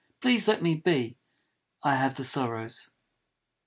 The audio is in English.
Please let me be. I have the Sorrows.